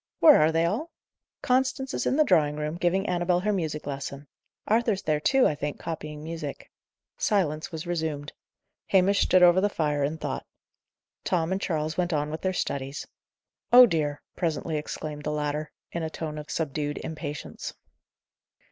"Where are they all?" "Constance is in the drawing room, giving Annabel her music lesson. Arthur's there too, I think, copying music." Silence was resumed. Hamish stood over the fire in thought. Tom and Charles went on with their studies. "Oh dear!" presently exclaimed the latter, in a tone of subdued impatience.